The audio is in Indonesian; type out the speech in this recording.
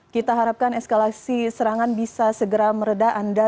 kita harapkan eskalasi serangan bisa segera meredah anda